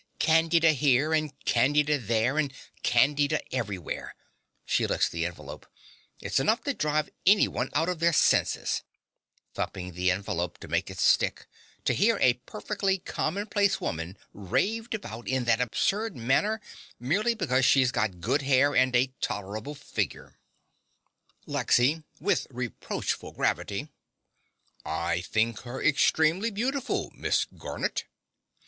Candida here, and Candida there, and Candida everywhere! (She licks the envelope.) It's enough to drive anyone out of their SENSES (thumping the envelope to make it stick) to hear a perfectly commonplace woman raved about in that absurd manner merely because she's got good hair, and a tolerable figure. LEXY (with reproachful gravity). I think her extremely beautiful, Miss Garnett.